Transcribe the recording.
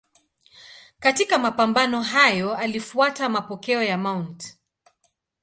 Katika mapambano hayo alifuata mapokeo ya Mt.